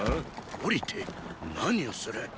降りて何をする？